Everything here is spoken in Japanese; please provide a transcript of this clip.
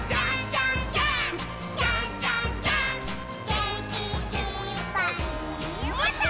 「げんきいっぱいもっと」